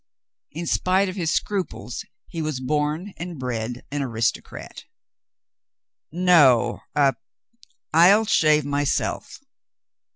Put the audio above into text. In spite of his scruples, he was born and bred an aristocrat. "No — a — I'll shave myself."